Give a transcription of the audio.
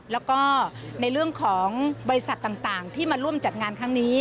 แล้วก็ในเรื่องของบริษัทต่างที่มาร่วมจัดงานครั้งนี้